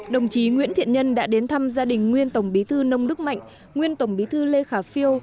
đồng chí nguyễn thiện nhân đã đến thăm gia đình nguyên tổng bí thư nông đức mạnh nguyên tổng bí thư lê khả phiêu